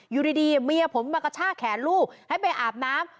อยู่ดีเมียผมมากระชากแขนลูกให้ไปอาบน้ำ